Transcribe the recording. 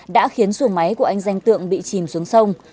đã khiến xuồng máy của anh danh tượng bị chìm xuống sông